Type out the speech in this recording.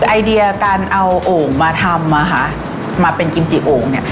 ไอเดียการเอาโอ่งมาทำมาเป็นกิมจิโอ่ง